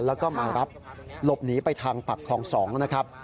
แล้วก็มารับหลบหนีไปทางปากคลอง๒นะครับ